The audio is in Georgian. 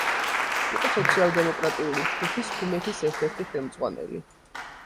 იყო სოციალ-დემოკრატიული ჯგუფის „ჰუმეთის“ ერთ-ერთი ხელმძღვანელი.